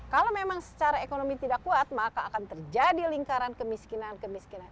kalau memang secara ekonomi tidak kuat maka akan terjadi lingkaran kemiskinan kemiskinan